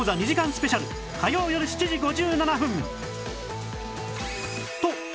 スペシャル火曜よる７時５７分